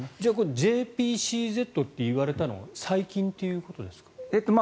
ＪＰＣＺっていわれたのは最近ということですか。